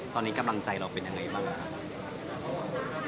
ตอนนี้กำลังใจเราเป็นยังไงบ้างครับ